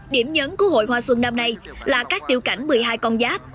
điểm nhấn của hội hoa xuân năm nay là các tiêu cảnh một mươi hai con giáp